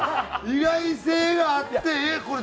意外性があってえっ